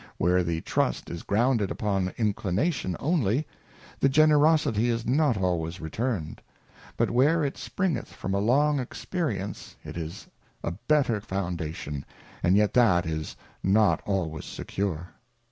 Where the Trust is grounded upon Inclination only, the Generosity is not always returned ; but where it springeth from a long Experience it is a better foundation, and yet that is not always secure.